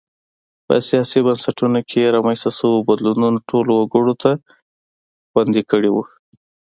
په سیاسي بنسټونو کې رامنځته شویو بدلونونو ټولو وګړو ته خوندي کړي وو.